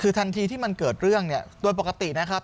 คือทันทีที่มันเกิดเรื่องเนี่ยโดยปกตินะครับ